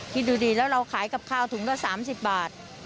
คิดดูดีแล้วเราขายกับข้าวถุงละ๓๐บาท